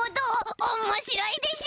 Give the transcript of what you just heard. おもしろいでしょ！？